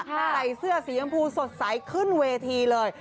ใส่เสื้อสีชมพูสดใสขึ้นเวทีเลย